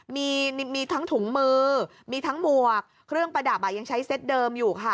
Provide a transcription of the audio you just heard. มีทั้งถุงมือมีทั้งหมวกเครื่องประดับยังใช้เซตเดิมอยู่ค่ะ